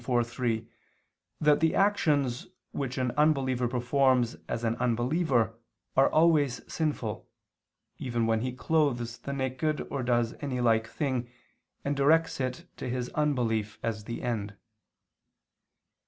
iv, 3) that the actions which an unbeliever performs as an unbeliever, are always sinful, even when he clothes the naked, or does any like thing, and directs it to his unbelief as end.